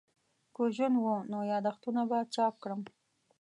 که ژوند وو نو یادښتونه به چاپ کړم.